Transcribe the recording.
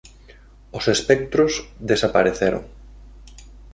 Os espectros desapareceron.